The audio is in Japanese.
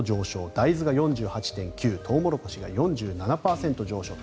大豆が４８．９％トウモロコシが４７％上昇。